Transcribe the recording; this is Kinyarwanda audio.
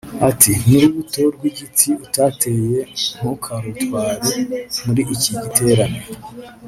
Ati “N’urubuto rw’igiti utateye ntukarutware” Muri iki giterane